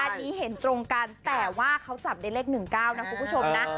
อันนี้เห็นตรงกันแต่ว่าเขาจับได้เลข๑๙นะคุณผู้ชมนะ